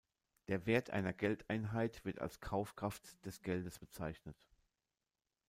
Der Wert einer Geldeinheit wird als Kaufkraft des Geldes bezeichnet.